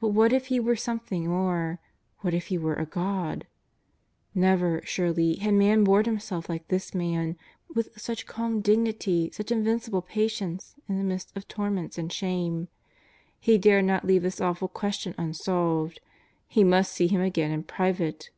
But what if He were something more, what if He were a God ! N^ever, surely, had man borne himself like this Man, with such calm dignity, such invincible patience in the midst of torments and shame. He dared not leave this awful question unsolved. He must see Him again in private.